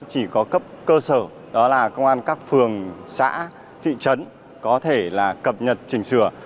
chỉ có cấp cơ sở đó là công an các phường xã thị trấn có thể là cập nhật chỉnh sửa